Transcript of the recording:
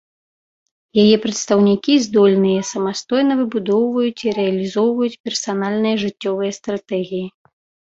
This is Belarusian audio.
Яе прадстаўнікі здольныя самастойна выбудоўваць і рэалізоўваць персанальныя жыццёвыя стратэгіі.